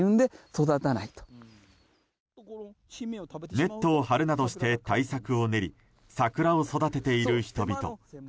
ネットを張るなどして対策を練り桜を育てている人々。